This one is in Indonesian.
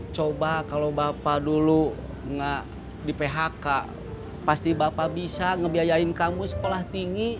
coba kalau bapak dulu nggak di phk pasti bapak bisa ngebiayain kamu sekolah tinggi